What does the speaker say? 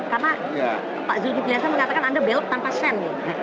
karena pak zulkifliasa mengatakan anda belok tanpa sen